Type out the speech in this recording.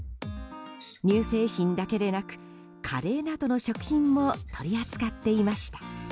乳製品だけでなくカレーなどの食品も取り扱っていました。